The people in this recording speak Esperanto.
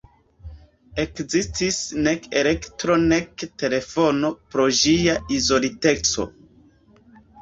Ekzistis nek elektro nek telefono pro ĝia izoliteco.